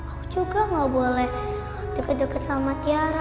aku juga gak boleh deket deket sama tiara